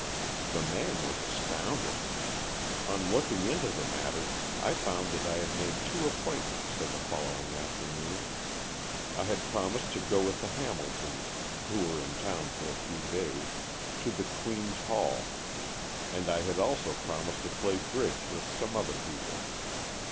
"' The man was astounding. 68 AN EXCHANGE OF SOULS On looking into the matter, I found that I had made two appointments for the follow ing afternoon. I had promised to go with the Hamiltons, who were in town for a few days, to the Queen's Hall, and I had also promised to play bridge with some other people.